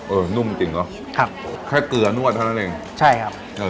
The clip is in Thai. นุ่มจริงจริงเนอะครับแค่เกลือนวดเท่านั้นเองใช่ครับเออ